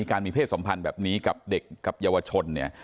การมีเพศสัมพันธ์แบบนี้กับเด็กกับเยาวชนเนี่ย